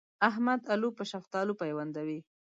احمد الو په شفتالو پيوندوي.